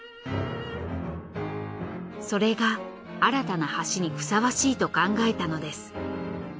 それが新たな橋にふさわしいと考えたのです。